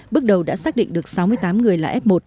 bước đầu đã xác định được sáu mươi tám người là f một